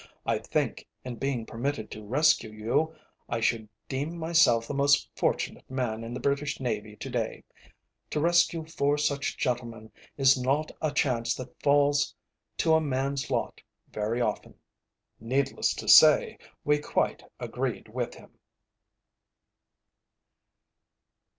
"I think, in being permitted to rescue you, I should deem myself the most fortunate man in the British Navy to day. To rescue four such gentlemen is not a chance that falls to a man's lot very often." Needless to say we quite agreed with him.